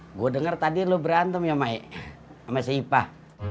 hai gue denger tadi lu berantem ya maik mesin ipah